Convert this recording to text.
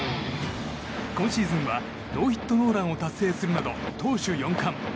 今シーズンはノーヒットノーランを達成するなど、投手４冠。